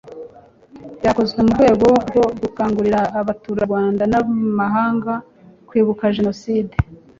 byakozwe mu rwego rwo gukangurira abaturarwanda n'amahanga kwibuka jenoside